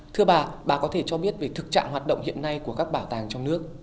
thưa bà bà có thể cho biết về thực trạng hoạt động hiện nay của các bảo tàng trong nước